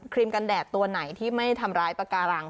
กันแดดตัวไหนที่ไม่ทำร้ายปากการัง